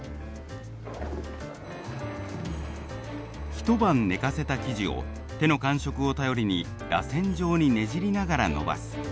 一晩寝かせた生地を手の感触を頼りにらせん状にねじりながら延ばす。